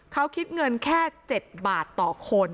เขาคิดเงินแค่๗บาทต่อคน